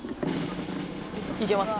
いきます。